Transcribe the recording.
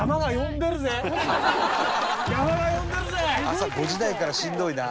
「朝５時台からしんどいな」